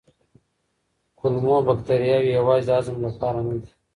کولمو بکتریاوې یوازې د هضم لپاره نه دي.